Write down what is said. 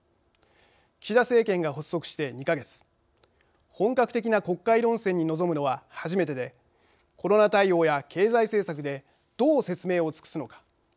岸田政権が発足して２か月本格的な国会論戦に臨むのは初めてでコロナ対応や経済政策でどう説明を尽くすのか。